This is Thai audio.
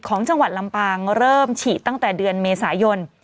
ของจังหวัดลำปางเริ่มฉีดตั้งแต่เดือนเมษายน